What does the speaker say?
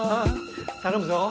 頼むぞ！